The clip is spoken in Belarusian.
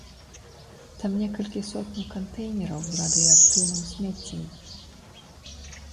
Там некалькі сотняў кантэйнераў з радыеактыўным смеццем.